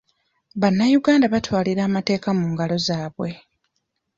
Bannayuganda batwalira amateeka mu ngalo zaabwe.